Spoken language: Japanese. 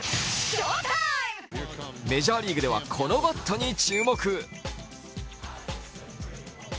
メジャーリーグではこのバットに注目。